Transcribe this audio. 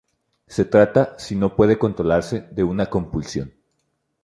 Se trata, si no puede controlarse, de una compulsión.